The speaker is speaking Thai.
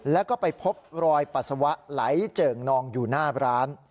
แล้วก็ไปพบรอยปัสสาวะไหลเจิ่งนองอยู่หน้าร้าน